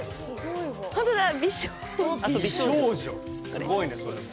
美少女すごいねそれも。